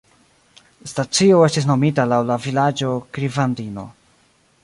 La stacio estis nomita laŭ la vilaĝo Krivandino.